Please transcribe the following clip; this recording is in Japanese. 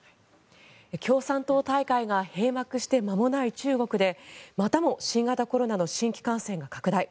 共産党大会が閉幕して間もない中国でまたも新型コロナの新規感染が拡大。